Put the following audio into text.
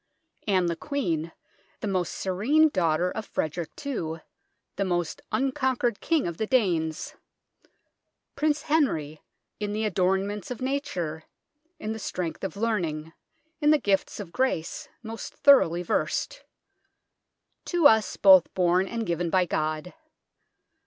Ann the Queen, the most serene Daughter of Frederick II, the most unconquered King of the Danes. Prince Henry, in the adornments of Nature, in the strength of learning, in the gifts of grace most thoroughly versed. To us both born and given by God.